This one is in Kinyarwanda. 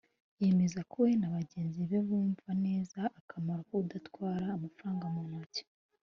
yemeza ko we na bagenzi be bumva neza akamaro ko kudatwara amafaranga mu ntoki